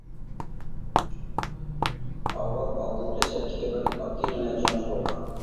ئاۋۋال ئالدىنقى سەپتىكى بىر ئاددىيغىنە جەڭچى بولغان.